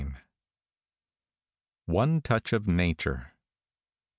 ONE TOUCH OF NATURE.